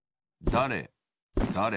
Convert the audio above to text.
だれだれ